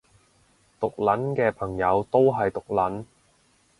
毒撚嘅朋友都係毒撚